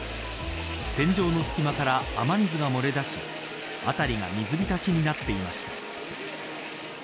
天井の隙間から雨水が漏れ出し辺りが水浸しになっていました。